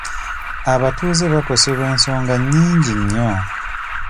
Abatuuze bakosebwa ensonga nnyingi nnyo.